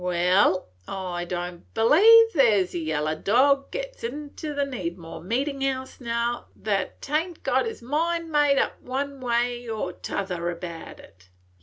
Wal, I don't b'lieve there 's a yeller dog goes inter the Needmore meetin' house now that ain't got his mind made up one way or t'other about it.